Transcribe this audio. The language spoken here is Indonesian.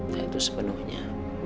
nah itu sepenuhnya